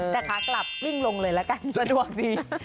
แต่ขากลับกลิ้งลงเลยละกันสะดวกดี